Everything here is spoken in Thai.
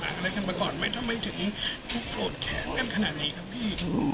ทำไมถึงทุกคนแข็งกันขนาดนี้ครับพี่